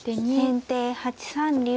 先手８三竜。